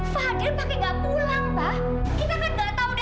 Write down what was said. pak padil pake gak pulang pak